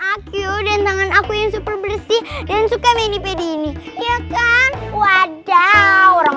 aku dan tangan aku yang super bersih dan suka mini pedi ini ya kan wadah orang